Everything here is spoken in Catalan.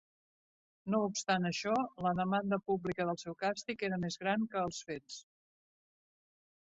No obstant això, la demanda pública del seu càstig era més gran que els fets.